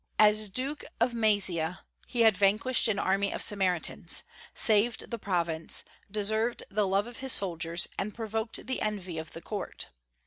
As Duke of Maesia he had vanquished an army of Sarmatians, saved the province, deserved the love of his soldiers, and provoked the envy of the court.